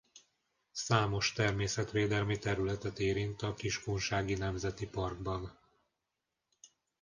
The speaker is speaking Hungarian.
Számos természetvédelmi területet érint a Kiskunsági Nemzeti Parkban.